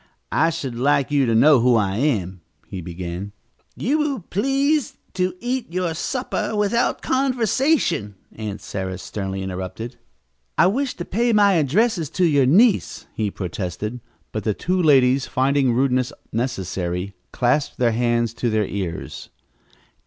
"I should like you to know who I am," he began. "You will please to eat your supper without conversation," Aunt Sarah sternly interrupted. "I wish to pay my addresses to your niece," he protested, but the two ladies, finding rudeness necessary, clasped their hands to their ears.